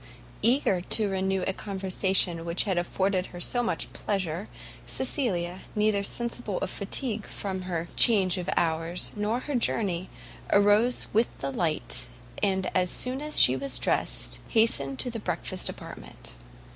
Eager to renew a conversation which had afforded her so much pleasure, Cecilia, neither sensible of fatigue from her change of hours nor her journey, arose with the light, and as soon as she was dressed, hastened to the breakfast apartment.